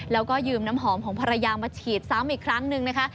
แล้วก็ยืมน้ำหอมของภรรยามาฉีดซ้ำอีกครั้งหนึ่งนะคะ